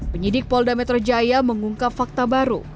penyidik polda metro jaya mengungkap fakta baru